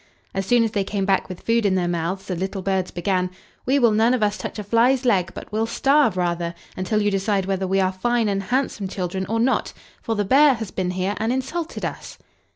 As soon as they came back with food in their mouths the little birds began, "We will none of us touch a fly's leg, but will starve rather, until you decide whether we are fine and handsome children or not, for the bear has been here and insulted us!"